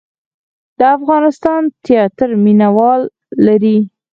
د افغانستان تیاتر مینه وال لري